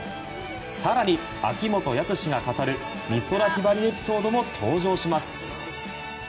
更に、秋元康が語る美空ひばりエピソードも登場します。